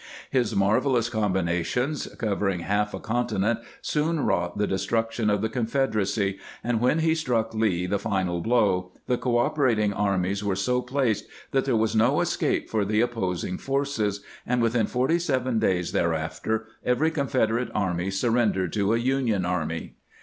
His marvelous combinations, covering half a continent, soon wrought the destruction of the Confederacy ; and when he struck Lee the final blow, the cooperating armies were so placed that there was no escape for the opposing forces, and within forty seven days thereafter every Confeder ate army surrendered to a Union army.